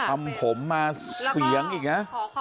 ทำผมมาเสียงอีกนะ